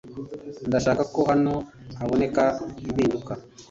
Ndashaka ko hano haboneka impinduka